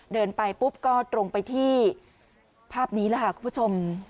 เดินไปปุ๊บก็ตรงไปที่ภาพนี้คุณผู้ชม